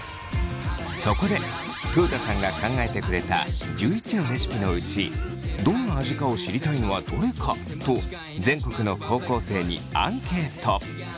そこで豊田さんが考えてくれた１１のレシピのうちどんな味かを知りたいのはどれか？と全国の高校生にアンケート。